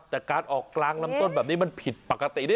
แต่การออกกลางลำต้นแบบนี้มันผิดปกติดิ